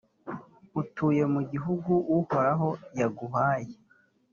atuye mu gihugu uhoraho yaguhaye,